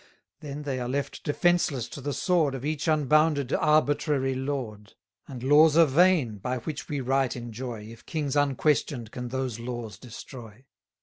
760 Then they are left defenceless to the sword Of each unbounded, arbitrary lord: And laws are vain, by which we right enjoy, If kings unquestion'd can those laws destroy.